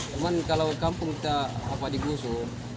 cuma kalau kampung kita apa dikhusu